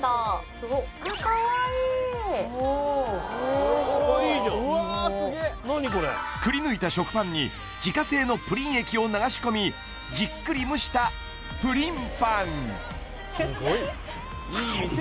すごいくりぬいた食パンに自家製のプリン液を流し込みじっくり蒸したうん！